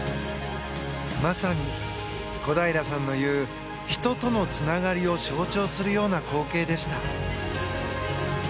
まさに、小平さんの言う人とのつながりを象徴するような光景でした。